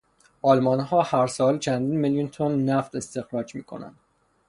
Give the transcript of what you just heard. آلمانها هر ساله چندین میلیون تن نفت استخراج میکنند.